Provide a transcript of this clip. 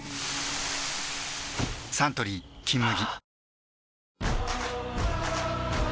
サントリー「金麦」